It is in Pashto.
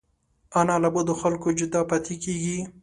انا له بدو خلکو جدا پاتې کېږي